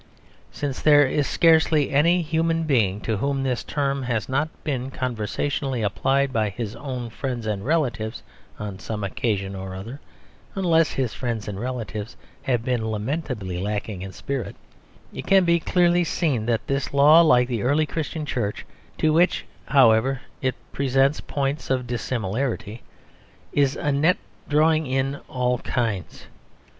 Since there is scarcely any human being to whom this term has not been conversationally applied by his own friends and relatives on some occasion or other (unless his friends and relatives have been lamentably lacking in spirit), it can be clearly seen that this law, like the early Christian Church (to which, however, it presents points of dissimilarity), is a net drawing in of all kinds.